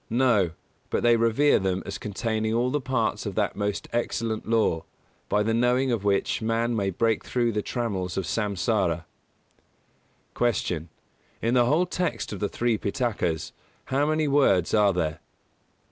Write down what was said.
No; but they revere them as containing all the parts of that most Excellent Law, by the knowing of which man may break through the trammels of Samsāra. 165. Q. _In the whole text of the three Pitakas how many words are there?